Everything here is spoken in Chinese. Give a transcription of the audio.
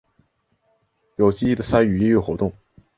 有积极的参与音乐活动。